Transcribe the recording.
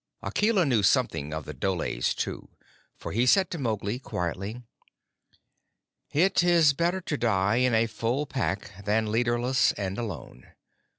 Akela knew something of the dholes, too, for he said to Mowgli quietly. "It is better to die in a Full Pack than leaderless and alone.